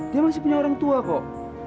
dia masih punya orang tua kok